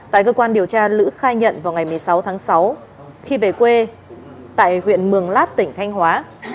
tại cơ quan điều tra lữ khai nhận vào ngày một mươi sáu tháng sáu khi về quê tại huyện mường lát tỉnh thanh hóa